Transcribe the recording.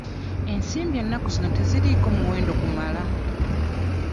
Ensimbi ennaku zino teziriiko muwendo gumala.